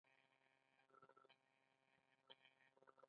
ځینې خلک د پټنځای لپاره خپلې هویتونه بدلوي.